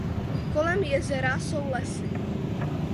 Kolem jezera jsou lesy.